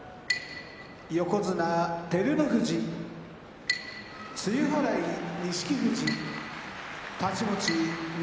横綱照ノ富士露払い錦富士太刀持ち翠